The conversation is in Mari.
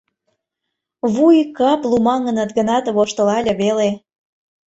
Вуй, кап лумаҥыныт гынат, воштылале веле: